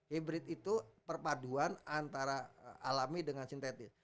hybrid itu perpaduan antara alami dengan sintetis